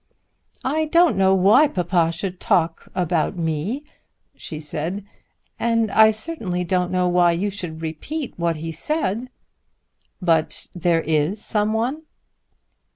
"I don't know why papa should talk about me," she said, "and I certainly don't know why you should repeat what he said." "But there is some one?"